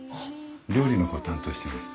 料理の方を担当していまして。